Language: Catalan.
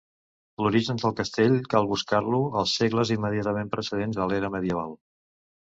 L'origen del castell cal buscar-lo als segles immediatament precedents a l'era medieval.